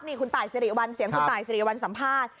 นี่คุณตายสิริวัลเสียงคุณตายสิริวัลสัมภาษณ์